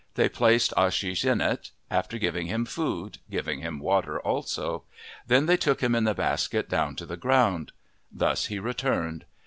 They placed Ashish in it, after giving him food, giving him water also. Then they took him in the basket down to the ground. Thus he returned.